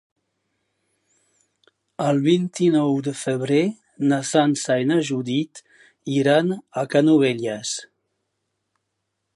El vint-i-nou de febrer na Sança i na Judit iran a Canovelles.